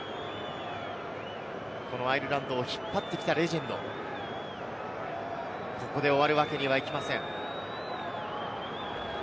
このアイルランドを引っ張ってきたレジェンド、ここで終わるわけにはいきません。